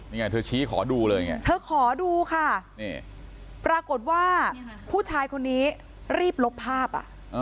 นี่ไงเธอชี้ขอดูเลยไงเธอขอดูค่ะนี่ปรากฏว่าผู้ชายคนนี้รีบลบภาพอ่ะ